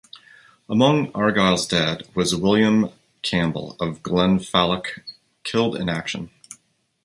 Among Argyll's dead was William Campbell of Glenfalloch killed in action.